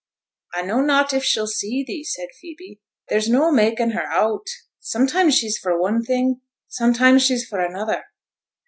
'A know not if she'll see thee,' said Phoebe. 'There's no makin' her out; sometimes she's for one thing, sometimes she's for another.'